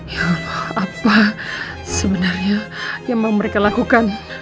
ya apa sebenarnya yang mau mereka lakukan